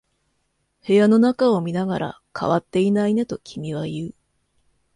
部屋の中を見ながら、変わっていないねと君は言う。